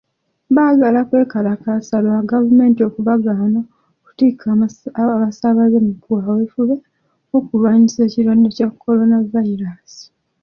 Baagala kwekalakaasa lwa gavumenti okubagaana okutikka abasaabaze mu kaweefube w'okulwanyisa ekirwadde kya Kolonavayiraasi.